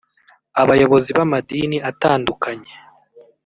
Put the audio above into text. abayobozi b’amadini atandukanye